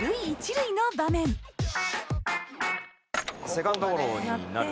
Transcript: セカンドゴロになる。